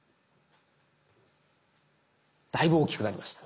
だいぶ大きくなりました。